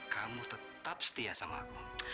kamu tetap setia sama aku